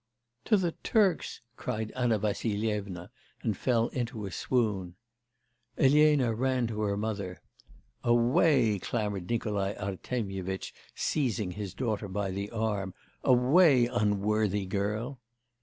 'To the Turks!' cried Anna Vassilyevna and fell into a swoon. Elena ran to her mother. 'Away!' clamoured Nikolai Artemyevitch, seizing his daughter by the arm, 'away, unworthy girl!